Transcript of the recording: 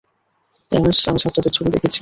MS, আমি সাজ্জাদের ছবি দেখেছি।